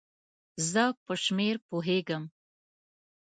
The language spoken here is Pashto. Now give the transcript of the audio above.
زه په شمېر پوهیږم